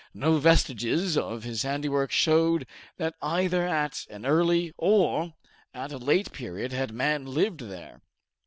No vestiges of his handiwork showed that either at an early or at a late period had man lived there.